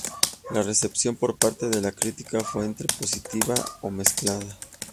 La recepción por parte de la crítica fue entre positiva a mezclada.